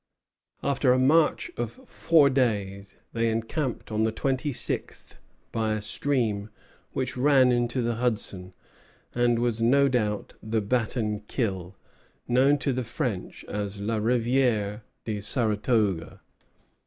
] After a march of four days, they encamped on the 26th by a stream which ran into the Hudson, and was no doubt the Batten Kill, known to the French as la rivière de Saratogue.